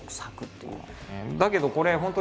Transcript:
だけどこれ本当